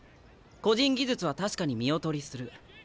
個人技術は確かに見劣りする。